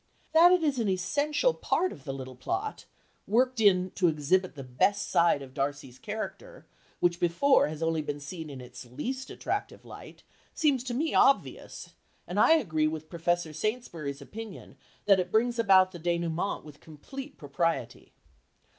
That it is an essential part of the little plot, worked in to exhibit the best side of Darcy's character, which before has only been seen in its least attractive light, seems to me obvious, and I agree with Professor Saintsbury's opinion that it brings about the dénouement with complete propriety.